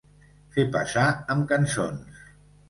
Fer passar amb cançons.